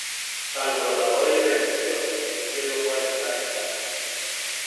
Alborotadora y rencillosa, Sus pies no pueden estar en casa;